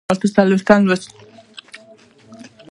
اته څلوېښتم لوست